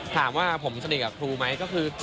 ถามว่าผมสนิทกับครูไหมก็คือ